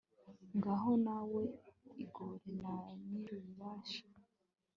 ngaho nawe igorore na nyir'ububasha